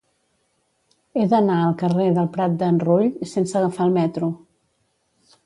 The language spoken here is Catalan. He d'anar al carrer del Prat d'en Rull sense agafar el metro.